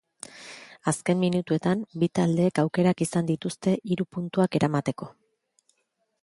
Azken minutuetan, bi taldeek aukerak izan dituzte hiru puntuak eramateko.